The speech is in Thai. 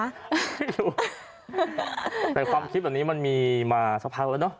ไม่รู้แต่ความคิดแบบนี้มันมีมาสักครู่แล้วเนอะ